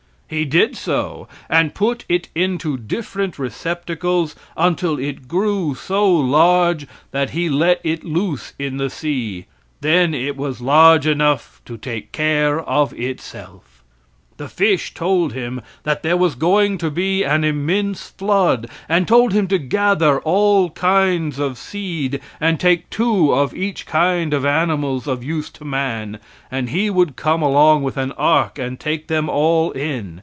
He did so, and put it into different receptacles until it grew so large that he let it loose in the sea; then it was large enough to take care of itself. The fish told him that there was going to be an immense flood, and told him to gather all kinds of seed and take two of each kind of animals of use to man, and he would come along with an ark and take them all in.